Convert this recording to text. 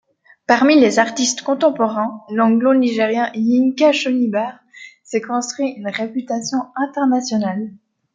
Parmi les artistes contemporains, l'anglo-nigérian Yinka Shonibare s'est construit une réputation internationale.